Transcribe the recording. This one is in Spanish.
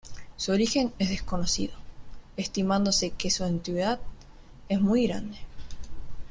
Su origen es desconocido, estimándose que su antigüedad es muy grande.